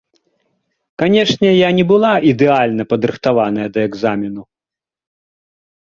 Канешне, я не была ідэальна падрыхтаваная да экзамену.